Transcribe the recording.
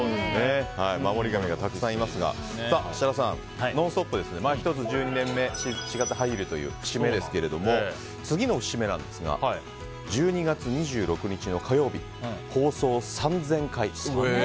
守り神がたくさんいますが設楽さん「ノンストップ！」は１２年目、４月に入るという節目ですけれども次の節目なんですが１２月２６日の火曜日放送３０００回。